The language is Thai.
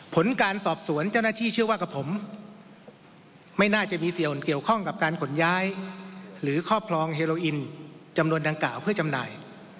ผลการสอบสวนเจ้าหน้าที่เชื่อว่ากับผมไม่น่าจะมีส่วนเกี่ยวข้องกับการขนย้ายหรือครอบครองเฮโลอินจำนวนดังกล่าวเพื่อจำหน่าย